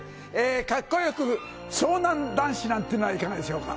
かっこよく湘南男子なんていうのはいかがでしょうか。